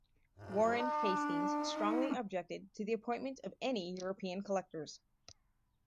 Warren Hastings strongly objected to the appointment of any European collectors.